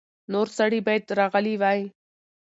نور سړي باید راغلي وای.